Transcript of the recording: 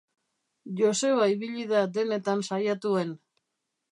Joseba ibili da denetan saiatuen.